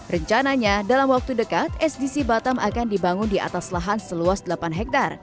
rencananya dalam waktu dekat sdc batam akan dibangun di atas lahan seluas delapan hektare